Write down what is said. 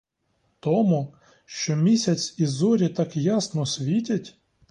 Тому, що місяць і зорі так ясно світять?